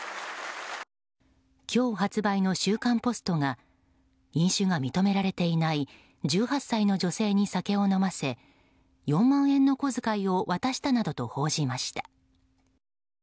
今日発売の「週刊ポスト」が飲酒が認められていない１８歳の女性に酒を飲ませ４万円の小遣いを渡したなどと報じました。